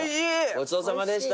ごちそうさまでした。